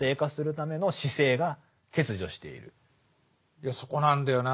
いやそこなんだよな。